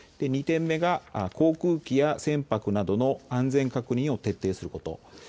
２点目が航空機や船舶などの安全確認を徹底すること。